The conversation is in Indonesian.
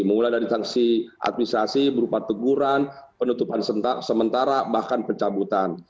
mulai dari sanksi administrasi berupa teguran penutupan sementara bahkan pencabutan